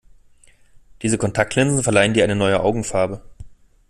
Diese Kontaktlinsen verleihen dir eine neue Augenfarbe.